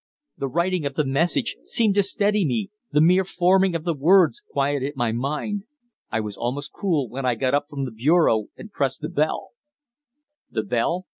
The writing of the message seemed to steady me; the mere forming of the words quieted my mind. I was almost cool when I got up from the bureau and pressed the bell " "The bell?"